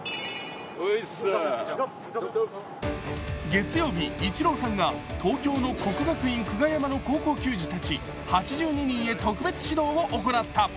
月曜日、イチローさんが東京の国学院久我山の高校球児たち８２人へ特別指導を行った。